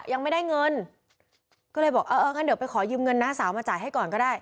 ยังไม่ได้เงินก็เลยบอกเอองั้นเดี๋ยวไปขอยืมเงินน้าสาวมาจ่ายให้ก่อนก็ได้